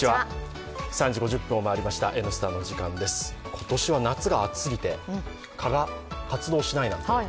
今年は夏が暑すぎて蚊が活動しないなんて